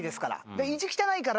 で意地汚いから。